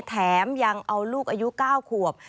แถมยังเอาลูกอายุ๙ขวบ